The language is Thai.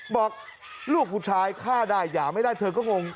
บอกลูกผู้ชายฆ่าได้หย่าไม่ได้เธอก็งง